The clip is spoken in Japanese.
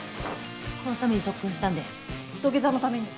このために特訓したんで土下座のために？